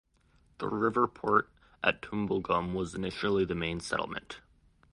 The river port at Tumbulgum was initially the main settlement.